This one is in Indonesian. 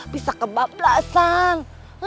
bisa kebab belasan